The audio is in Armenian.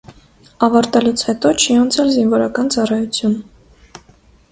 Ավարտելուց հետո չի անցել զինվորական ծառայություն։